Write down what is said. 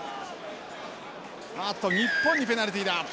あっと日本にペナルティーだ。